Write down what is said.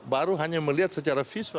baru hanya melihat secara visual